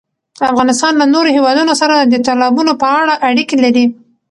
افغانستان له نورو هېوادونو سره د تالابونو په اړه اړیکې لري.